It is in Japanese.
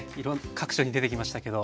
各所に出てきましたけど。